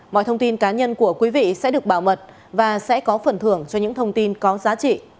mọi thông tin cá nhân của quý vị sẽ được bảo mật và sẽ có phần thưởng cho những thông tin có giá trị